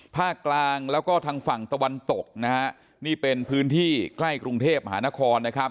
ภาคกลางแล้วก็ทางฝั่งตะวันตกนะฮะนี่เป็นพื้นที่ใกล้กรุงเทพมหานครนะครับ